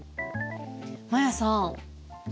マヤさん。